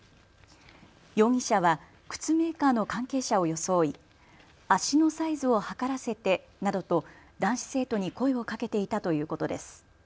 容疑者は靴メーカーの関係者を装い足のサイズを測らせてなどと男子生徒に声をかけていたということです。